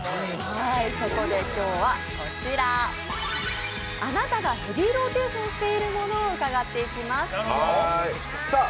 そこで、今日はあなたがヘビーローテーションしているものを伺っていきます。